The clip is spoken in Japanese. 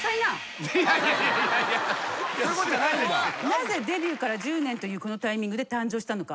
なぜデビューから１０年というこのタイミングで誕生したのか？